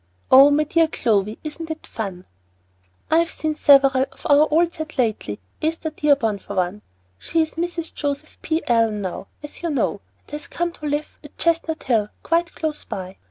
Oh, my dear Clovy, isn't it fun? I have seen several of our old school set lately, Esther Dearborn for one. She is Mrs. Joseph P. Allen now, as you know, and has come to live at Chestnut Hill, quite close by.